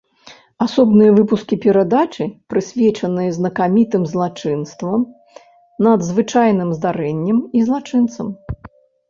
Асобныя выпускі перадачы прысвечаныя знакамітым злачынствам, надзвычайным здарэнням і злачынцам.